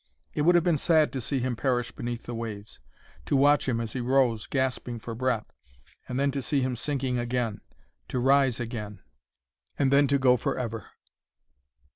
It would have been sad to see him perish beneath the waves,—to watch him as he rose, gasping for breath, and then to see to him sinking again, to rise again, and then to go for ever.